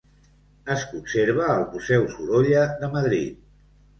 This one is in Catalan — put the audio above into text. Es conserva al Museu Sorolla de Madrid.